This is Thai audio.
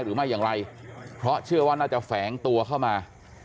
หรือไม่อย่างไรเพราะเชื่อว่าน่าจะแฝงตัวเข้ามา